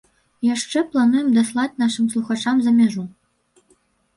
Яшчэ плануем даслаць нашым слухачам за мяжу.